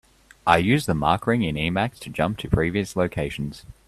I use the mark ring in Emacs to jump to previous locations.